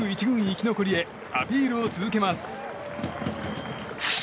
１軍生き残りへアピールを続けます。